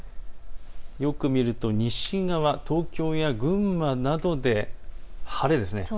よく見ると西側、東京や群馬などで晴れです。